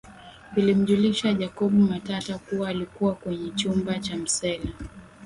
Vilimjulisha Jacob Matata kuwa alikuwa kwenye chumba cha msela